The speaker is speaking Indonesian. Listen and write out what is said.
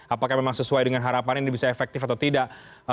apakah memang sesuai dengan harapan ini bisa efektif atau tidak